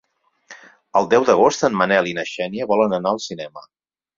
El deu d'agost en Manel i na Xènia volen anar al cinema.